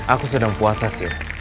aku sedang puasa sih